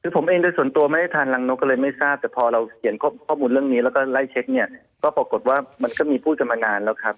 คือผมเองโดยส่วนตัวไม่ได้ทานรังนกก็เลยไม่ทราบแต่พอเราเขียนข้อมูลเรื่องนี้แล้วก็ไล่เช็คเนี่ยก็ปรากฏว่ามันก็มีพูดกันมานานแล้วครับ